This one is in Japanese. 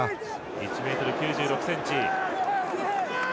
１ｍ９６ｃｍ。